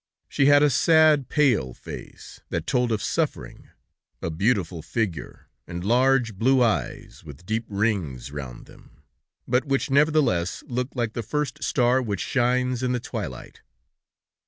She had a sad, pale face, that told of suffering, a beautiful figure, and large, blue eyes with deep rings round them, but which, nevertheless, looked like the first star which shines in the twilight.